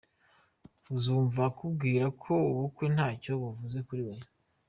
Uzumva akubwira ko ubukwe ntacyo buvuze kuri we.